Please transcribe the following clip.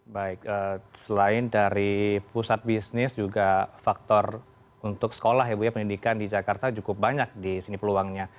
baik selain dari pusat bisnis juga faktor untuk sekolah ya bu ya pendidikan di jakarta cukup banyak di sini peluangnya